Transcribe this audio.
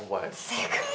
正解。